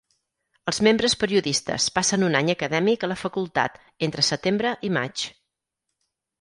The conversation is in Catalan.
Els membres periodistes passen un any acadèmic a la facultat, entre setembre i maig.